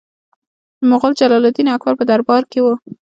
د مغول جلال الدین اکبر په دربار کې و.